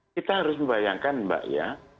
kita harus membayangkan mbak ya